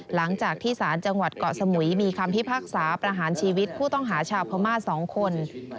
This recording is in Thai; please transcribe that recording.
หลังจากที่สารจังหวัดเกาะสมุยมีคำพิพากษาประหารชีวิตผู้ต้องหาชาวพม่า๒คน